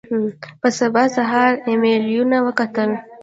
په سبا سهار ایمېلونه وکتل.